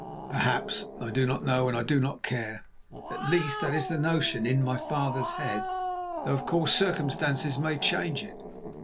"Perhaps. I do not know, and I do not care. At least, that is the notion in my father's head, though, of course, circumstances may change it.